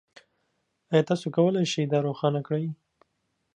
ایا تاسو کولی شئ دا روښانه کړئ؟